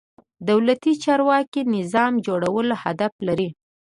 دولتي چارواکي نظام جوړول هدف لري.